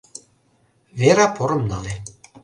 Вера порым нале.